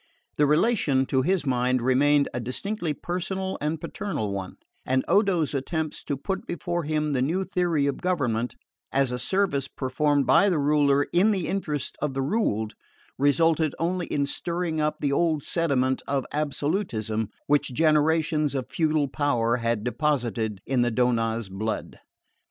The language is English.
The relation, to his mind, remained a distinctly personal and paternal one; and Odo's attempts to put before him the new theory of government, as a service performed by the ruler in the interest of the ruled, resulted only in stirring up the old sediment of absolutism which generations of feudal power had deposited in the Donnaz blood.